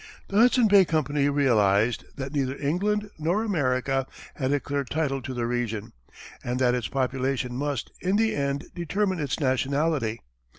The Hudson Bay Company realized that neither England nor America had a clear title to the region, and that its population must, in the end, determine its nationality.